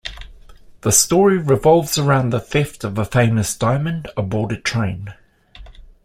The story revolves around the theft of a famous diamond aboard a train.